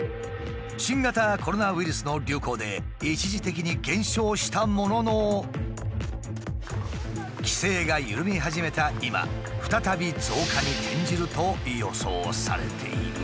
新型コロナウイルスの流行で一時的に減少したものの規制が緩み始めた今再び増加に転じると予想されている。